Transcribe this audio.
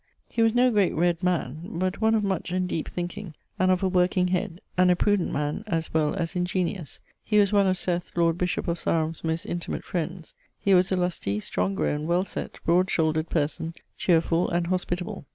He was no great read man; but one of much and deepe thinking, and of a working head; and a prudent man as well as ingeniose. He was one of Seth, lord bishop of Sarum's most intimate friends. He was a lustie, strong growne, well sett, broad shoulderd person, cheerfull, and hospitable.